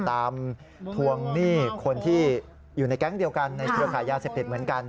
ทวงหนี้คนที่อยู่ในแก๊งเดียวกันในเครือขายยาเสพติดเหมือนกัน